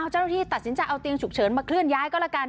เจ้าหน้าที่ตัดสินใจเอาเตียงฉุกเฉินมาเคลื่อนย้ายก็แล้วกัน